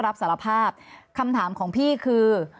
รับสารภาพคำถามของพี่คือ